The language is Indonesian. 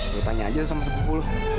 gue tanya aja sama sepupu lo